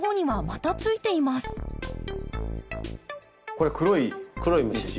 これ黒い虫。